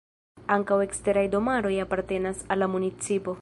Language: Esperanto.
Ankaŭ eksteraj domaroj apartenas al la municipo.